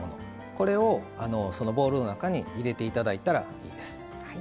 これをボウルの中に入れていただいたらいいです。